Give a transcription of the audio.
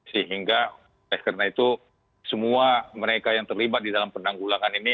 sehingga oleh karena itu semua mereka yang terlibat di dalam penanggulangan ini